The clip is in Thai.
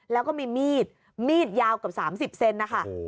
แล้วก็มีมีดมีดยาวเกือบ๓๐เซนนะคะ